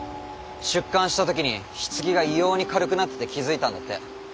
出棺したときに棺が異様に軽くなってて気付いたんだって。